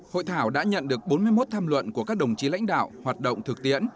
hội thảo đã nhận được bốn mươi một tham luận của các đồng chí lãnh đạo hoạt động thực tiễn